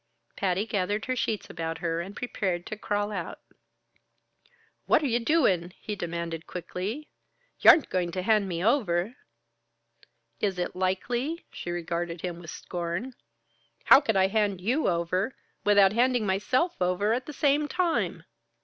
Patty gathered her sheets about her and prepared to crawl out. "What are ye doin'?" he demanded quickly. "Y' aren't goin' to hand me over?" "Is it likely?" She regarded him with scorn. "How could I hand you over, without handing myself over at the same time?"